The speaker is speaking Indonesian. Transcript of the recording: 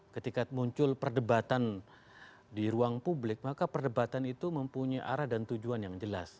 ketika muncul perdebatan di ruang publik maka perdebatan itu mempunyai arah dan tujuan yang jelas